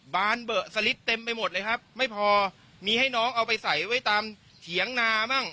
บานเบอร์สลิดเต็มไปหมดเลยครับไม่พอมีให้น้องเอาไปใส่ไว้ตามเถียงนามั่ง